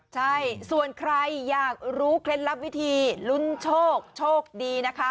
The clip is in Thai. ใช่ส่วนใครอยากรู้เคล็ดลับวิธีลุ้นโชคโชคดีนะคะ